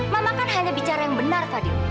mama kan hanya bicara yang benar tadi